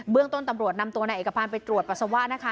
ต้นตำรวจนำตัวนายเอกพันธ์ไปตรวจปัสสาวะนะคะ